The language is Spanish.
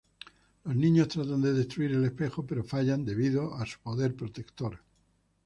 Los niños tratan de destruir el espejo, pero fallan debido su poder protector.